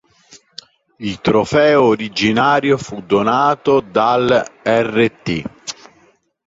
Il trofeo originario fu donato dal Rt.